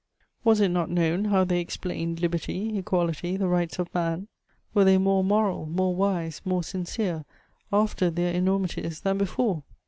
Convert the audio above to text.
Was it not known how they explained liberty, equality, the rights of man? Were they more moral, more wise, more sincere, after their enormities than before?